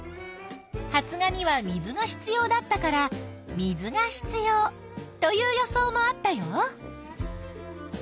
「発芽には水が必要だったから水が必要」という予想もあったよ。